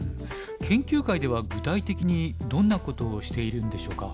研究会では具体的にどんなことをしているんでしょうか？